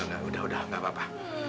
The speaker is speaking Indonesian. udah udah gak apa apa